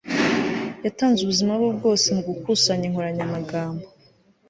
yatanze ubuzima bwe bwose mugukusanya inkoranyamagambo